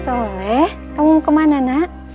soleh kamu mau ke mana nak